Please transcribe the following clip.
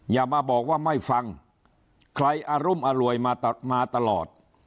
อย่ามาบอกว่าไม่ฟังใครอรุมอร่วยมาตลอด